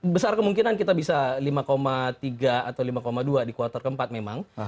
besar kemungkinan kita bisa lima tiga atau lima dua di kuartal keempat memang